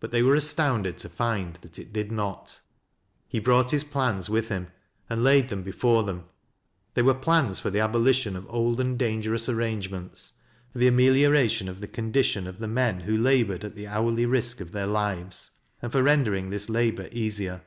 But they were astounded to find that it did not. He brought his plans with him, and laid them before them. They were plans for the abolition of old and dan gerous arrangements, for the amelioration of the condition of the men who labored at the hourly risk of their lives, and for rendering this labor easier.